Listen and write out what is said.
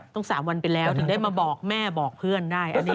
๓วันไปแล้วถึงได้มาบอกแม่บอกเพื่อนได้